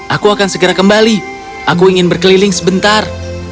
aku akan segera kembali aku ingin berkeliling sebentar